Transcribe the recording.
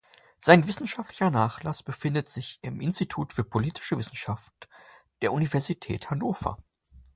Sein wissenschaftlicher Nachlass befindet sich im Institut für politische Wissenschaft der Universität Hannover.